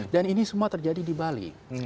dan ini semua terjadi di bali